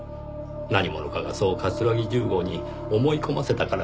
何者かがそう桂木重吾に思い込ませたからなんですよ。